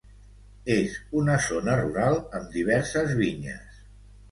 És una zona rural amb diverses vinyes.